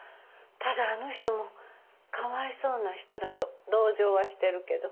ただあの人もかわいそうな人だと同情はしてるけど。